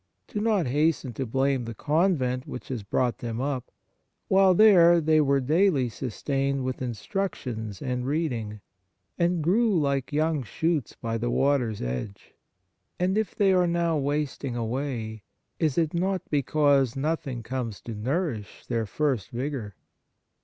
Do not hasten to blame the convent which has brought them up ; while there, they were daily sustained with instructions and reading, and grew like young shoots by the water s edge. And if they are now wasting away, is it not because nothing comes to nourish their first vigour